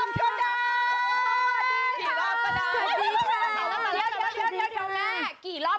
กับเพลงที่มีชื่อว่ากี่รอบก็ได้